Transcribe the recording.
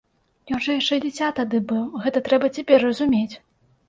Ён жа яшчэ дзіця тады быў, гэта трэба цяпер разумець.